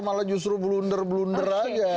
malah justru blunder blunder aja